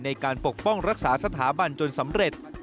ปกป้องรักษาสถาบันจนสำเร็จ